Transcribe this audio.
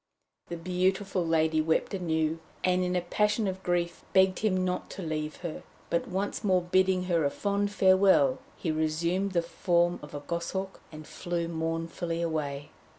The beautiful lady wept anew, and in a passion of grief begged him not to leave her; but once more bidding her a fond farewell, he resumed the form of a goshawk, and flew mournfully away.